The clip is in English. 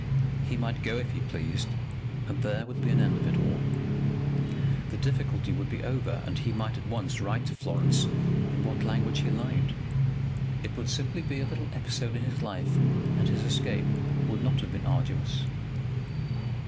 He might go if he pleased, and there would be an end of it all. The difficulty would be over, and he might at once write to Florence in what language he liked. It would simply be a little episode in his life, and his escape would not have been arduous.